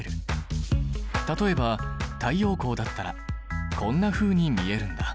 例えば太陽光だったらこんなふうに見えるんだ。